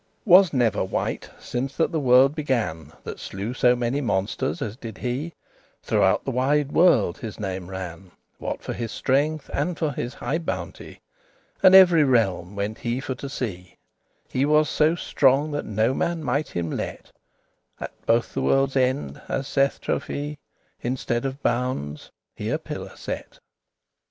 <9> Was never wight, since that the world began, That slew so many monsters as did he; Throughout the wide world his name ran, What for his strength, and for his high bounte; And every realme went he for to see; He was so strong that no man might him let;* *withstand At both the worlde's ends, as saith Trophee, <10> Instead of boundes he a pillar set.